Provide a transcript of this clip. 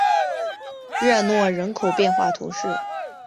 热诺人口变化图示